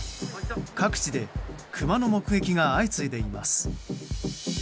各地でクマの目撃が相次いでいます。